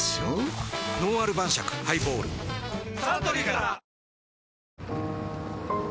「のんある晩酌ハイボール」サントリーから！